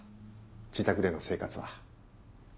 自宅での生活は。